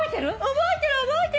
覚えてる覚えてる！